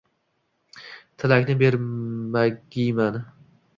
— Tilakni bermagiyman.